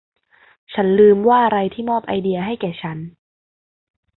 ฉันลืมว่าอะไรที่มอบไอเดียให้แก่ฉัน